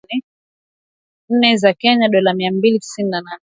nne za Kenya dola mia mbili tisini na nane